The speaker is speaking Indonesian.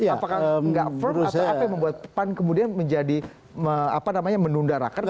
apakah nggak firm atau apa yang membuat pan kemudian menjadi apa namanya menunda raker